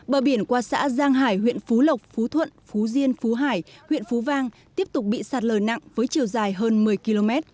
bờ biển qua xã giang hải huyện phú lộc phú thuận phú diên phú hải huyện phú vang tiếp tục bị sạt lở nặng với chiều dài hơn một mươi km